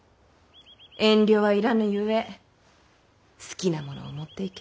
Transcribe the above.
遠慮はいらぬゆえ好きなものを持っていけ。